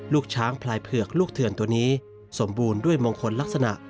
ลูกช้างพลายเผือกลูกเถื่อนตัวนี้สมบูรณ์ด้วยมงคลลักษณะ